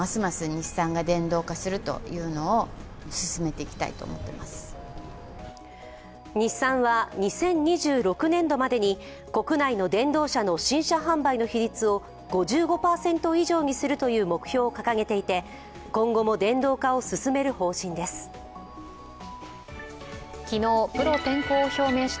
日産は２０２６年度までに国内の電動車の新車販売の比率を５５％以上にするという目標を掲げていて今後も電動化を進める方針です。